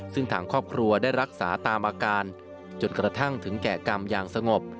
ซึ่งทางครอบครัวได้รักษาตามอาการจนกระทั่งถึงแก่กรรมอย่างสงบ